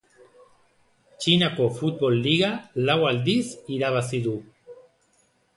Txinako futbol liga lau aldiz irabazi du.